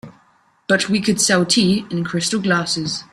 But we could sell tea in crystal glasses.